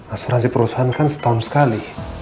asuransi perusahaan kan setahun sekali